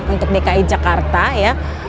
untuk dki jakarta ya